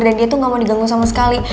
dan dia tuh enggak mau diganggu sama sekali